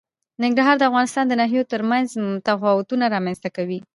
ننګرهار د افغانستان د ناحیو ترمنځ تفاوتونه رامنځ ته کوي.